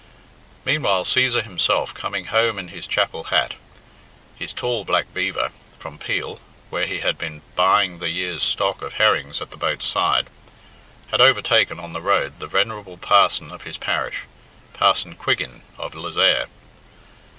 Meantime Cæsar himself, coming home in his chapel hat (his tall black beaver) from Peel, where he had been buying the year's stock of herrings at the boat's side, had overtaken, on the road, the venerable parson of his parish, Parson Quiggin of Lezayre.